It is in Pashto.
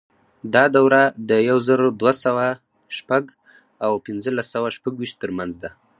دا دوره د یو زر دوه سوه شپږ او پنځلس سوه شپږویشت ترمنځ وه.